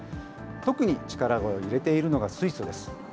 特に力を入れているのが水素です。